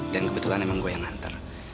dan kebetulan emang gue yang nganter